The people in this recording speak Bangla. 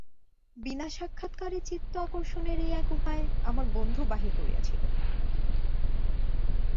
বিনা সাক্ষাৎকারে চিত্ত আকর্ষণের এই এক উপায় আমার বন্ধু বাহির করিয়াছিলেন।